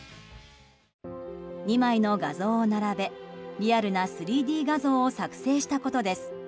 ２枚の画像を並べ、リアルな３Ｄ画像を作成したことです。